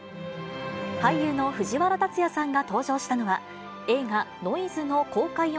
俳優の藤原竜也さんが登場したのは、映画、ノイズの公開